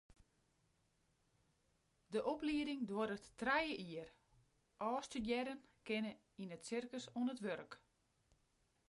De oplieding duorret trije jier, ôfstudearren kinne yn it sirkus oan it wurk.